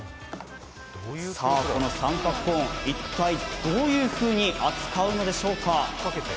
この三角コーン、一体どういうふうに扱うのでしょうか？